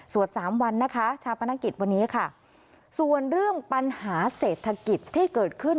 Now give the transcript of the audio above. สามวันนะคะชาปนกิจวันนี้ค่ะส่วนเรื่องปัญหาเศรษฐกิจที่เกิดขึ้น